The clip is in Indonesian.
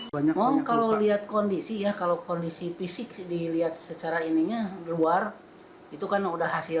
banyak banyak yang terjadi